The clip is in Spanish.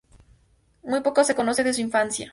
Muy poco se conoce de su infancia.